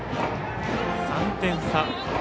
３点差。